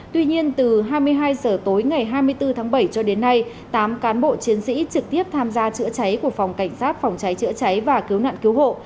tuy nhiên từ hai mươi hai h tối ngày hai mươi bốn tháng bảy cho đến nay tám cán bộ chiến sĩ trực tiếp tham gia chữa cháy của phòng cảnh sát phòng cháy chữa cháy và cứu nạn cứu hộ